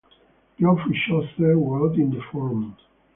Geoffrey Chaucer wrote in the form.